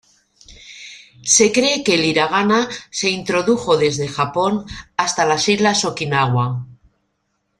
Se cree que el hiragana se introdujo desde Japón hasta las islas Okinawa.